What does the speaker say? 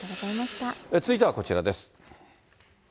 続いてはこちらです。